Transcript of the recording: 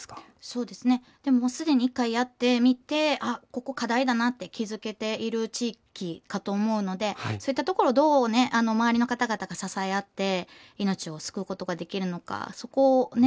そうですね既に一回やってみてあっここ課題だなって気付けている地域かと思うのでそういったところをどうね周りの方々が支え合って命を救うことができるのかそこをね